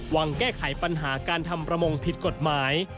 วางแก้ไขปัญหาการทำประมงผิดกฎหมาย